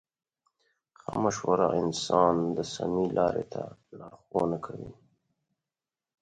ښه مشوره انسان د سمې لارې ته لارښوونه کوي.